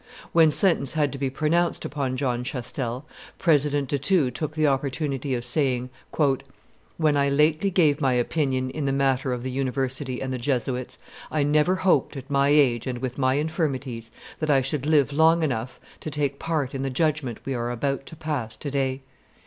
When sentence had to be pronounced upon John Chastel, President de Thou took the opportunity of saying, "When I lately gave my opinion in the matter of the University and the Jesuits, I never hoped, at my age and with my infirmities, that I should live long enough to take part in the judgment we are about to pass to day.